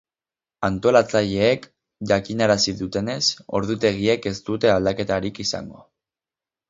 Antolatzaileek jakinarazi dutenez, ordutegiek ez dute aldaketarik izango.